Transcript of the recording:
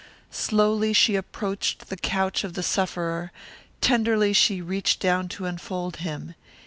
Slowly she approached the couch of the sufferer, tenderly she reached down to enfold him.